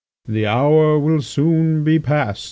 The hour will soon be past."